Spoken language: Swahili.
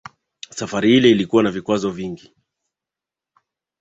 Safari ile ilikuwa na vikwazo vingi